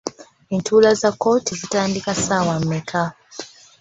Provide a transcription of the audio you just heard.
Entuula za kkooti zitandika ssaawa mmeka?